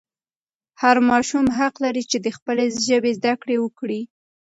هر ماشوم حق لري چې د خپلې ژبې زده کړه وکړي.